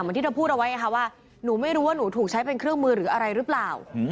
ที่เธอพูดเอาไว้ว่าหนูไม่รู้ว่าหนูถูกใช้เป็นเครื่องมือหรืออะไรหรือเปล่า